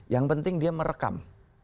yang penting dia merekam